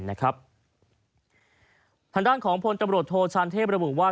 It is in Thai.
ทางด้านของพลตำรวจโทชานเทพระบุว่า